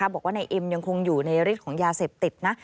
บอกว่านายเอ็มยังคงอยู่ในฤทธิ์ของยาเสพติดนะ